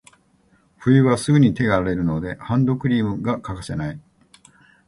冬はすぐに手が荒れるので、ハンドクリームが欠かせない。